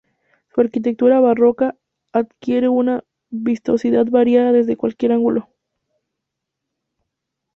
Su arquitectura barroca adquiere una vistosidad variada desde cualquier ángulo.